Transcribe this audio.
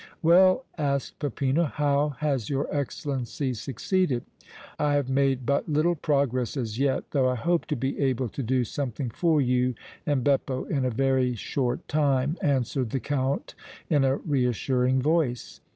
"Well," asked Peppino, "how has your Excellency succeeded?" "I have made but little progress as yet, though I hope to be able to do something for you and Beppo in a very short time," answered the Count, in a reassuring voice.